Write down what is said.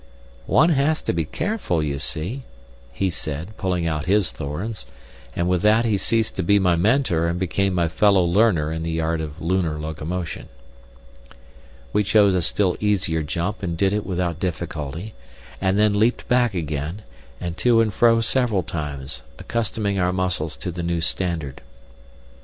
"One has to be careful, you see," he said, pulling out his thorns, and with that he ceased to be my mentor and became my fellow learner in the art of lunar locomotion. We chose a still easier jump and did it without difficulty, and then leapt back again, and to and fro several times, accustoming our muscles to the new standard.